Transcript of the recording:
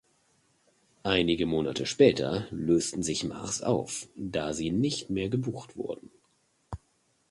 Einige Monate später lösten sich Mars auf, da sie nicht mehr gebucht wurden.